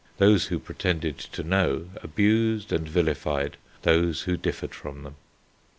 Those who pretended to know abused and vilified those who differed from them.